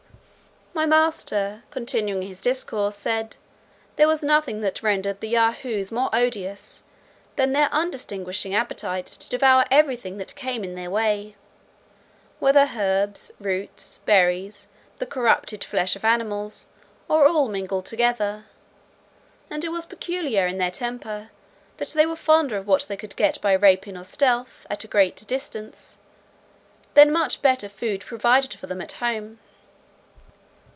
My master, continuing his discourse, said, "there was nothing that rendered the Yahoos more odious, than their undistinguishing appetite to devour every thing that came in their way, whether herbs, roots, berries, the corrupted flesh of animals, or all mingled together: and it was peculiar in their temper, that they were fonder of what they could get by rapine or stealth, at a greater distance, than much better food provided for them at home.